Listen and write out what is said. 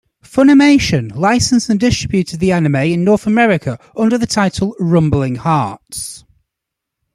Funimation licensed and distributed the anime in North America under the title "Rumbling Hearts".